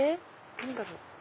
何だろう？